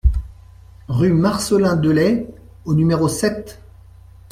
Rue Marcelin Delaye au numéro sept